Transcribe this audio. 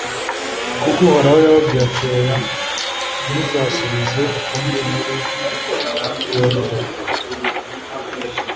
kuko uhoraho yababwiye ati «oya, ntimuzasubize ukundi muri iyo nzira!»